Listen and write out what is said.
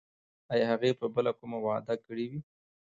ایا هغې به بله کومه وعده کړې وي؟